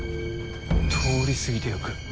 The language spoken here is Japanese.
通り過ぎていく。